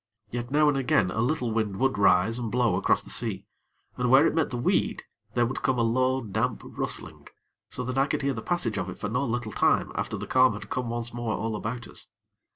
Yet now and again a little wind would rise and blow across the sea, and where it met the weed, there would come a low, damp rustling, so that I could hear the passage of it for no little time after the calm had come once more all about us.